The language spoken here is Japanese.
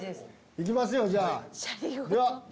いきますよ、じゃあ。